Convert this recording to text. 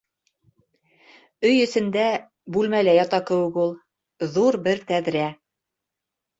Өй эсендә, бүлмәлә ята кеүек ул. Ҙур бер тәҙрә.